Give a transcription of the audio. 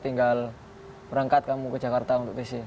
tinggal berangkat kamu ke jakarta untuk pc